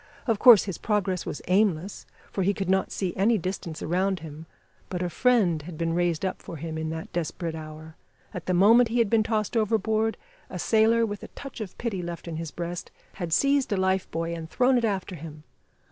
Of course his progress was aimless, for he could not see any distance around him, but a friend had been raised up for him in that desperate hour. At the moment he had been tossed overboard, a sailor, with a touch of pity left in his breast had seized a life buoy and thrown it after him.